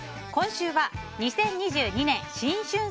今週は２０２２年新春